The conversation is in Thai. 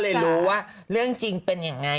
เลยรู้ว่าเรื่องจริงเป็นยังไง